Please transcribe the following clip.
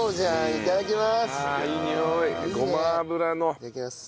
いただきます。